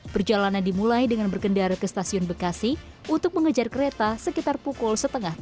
perjalanan dimulai dengan berkendara ke stasiun bekasi untuk mengejar kereta sekitar pukul setengah tiga puluh